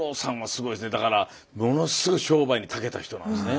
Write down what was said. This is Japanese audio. だからものすごい商売にたけた人なんですね。